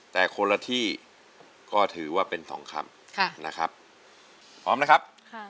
แต่คนละที่ก็ถือว่าเป็น๒คำพร้อมนะครับ